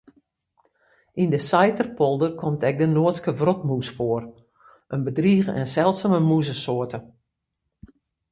Yn de Saiterpolder komt ek de Noardske wrotmûs foar, in bedrige en seldsume mûzesoarte.